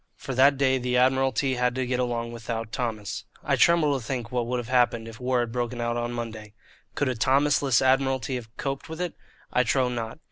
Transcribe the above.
For that day the Admiralty had to get along without Thomas. I tremble to think what would have happened if war had broken out on Monday. Could a Thomasless Admiralty have coped with it? I trow not.